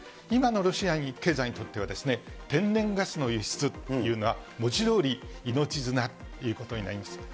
今のロシア経済にとっては、天然ガスの輸出というのは、文字どおり、命綱ということになります。